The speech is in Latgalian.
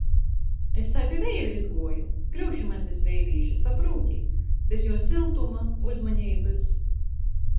Es tai pi veira izguoju! Gryuši maņ bez veirīša, saprūti? Bez juo syltuma, uzmaneibys.